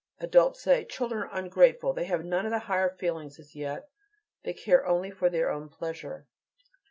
Adults say: "Children are ungrateful; they have none of the higher feelings as yet; they care only for their own pleasure."